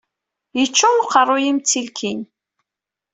Yeččur uqerruy-im d tilkin.